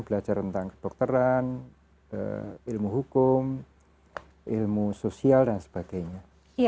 belajar tentang kedokteran ilmu hukum ilmu sosial dan sebagainya